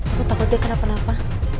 aku jadi khawatir kenapa kenapa